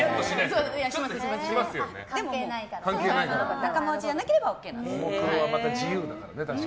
しましたけど仲間内じゃなければＯＫなんです。